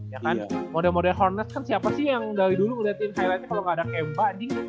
ya kan model model hornets kan siapa sih yang dari dulu ngeliatin highlight nya kalo gak ada kemba anjing